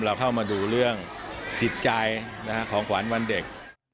เราเข้ามาดูเรื่องจิตใจของขวัญวันเด็ก